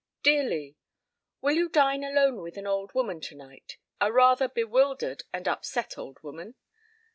"Dear Lee: "Will you dine alone with an old woman tonight a rather bewildered and upset old woman?